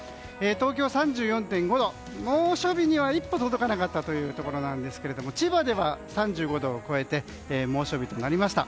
東京は３４．５度と猛暑日には一歩届かなかったんですが千葉では３５度を超えて猛暑日となりました。